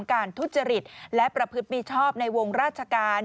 ทุจริตและประพฤติมีชอบในวงราชการ